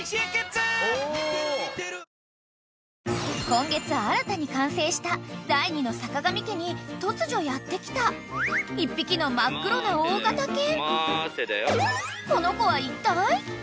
［今月新たに完成した第２の坂上家に突如やって来た１匹の真っ黒な大型犬］